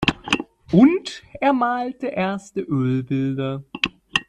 Und er malte erste Ölbilder.